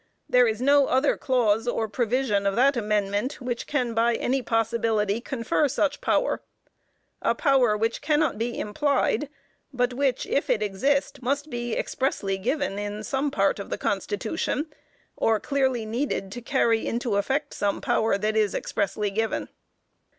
There is no other clause or provision of that amendment which can by any possibility confer such power a power which cannot be implied, but which, if it exist, must be expressly given in some part of the Constitution, or clearly needed to carry into effect some power that is expressly given.